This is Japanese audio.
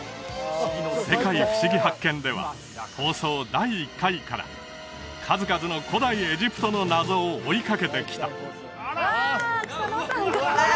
「世界ふしぎ発見！」では放送第１回から数々の古代エジプトの謎を追いかけてきたあらうわっ